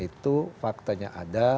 itu faktanya ada